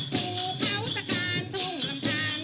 ภูเขาสการทุ่งลำทาน